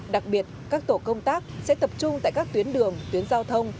đặc biệt các tổ công tác sẽ tập trung tại các tuyến đường tuyến giao thông